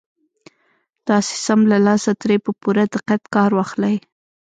تاسې سم له لاسه ترې په پوره دقت کار واخلئ.